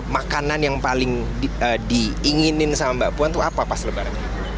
makanan yang paling diinginin sama mbak puan tuh apa pas lebaran